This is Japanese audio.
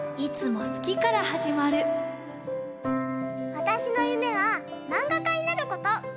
わたしの夢はマンガかになること。